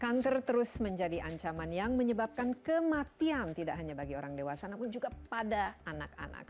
kanker terus menjadi ancaman yang menyebabkan kematian tidak hanya bagi orang dewasa namun juga pada anak anak